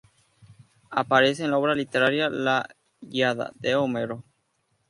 Aparece en la obra literaria la "Ilíada", de Homero.